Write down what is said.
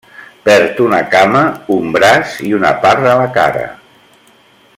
Perd una cama, un braç i una part de la cara.